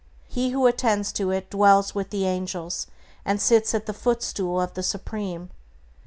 He who attains to it dwells with the angels, and sits at the footstool of the Supreme.